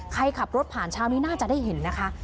ขับรถผ่านเช้านี้น่าจะได้เห็นนะคะ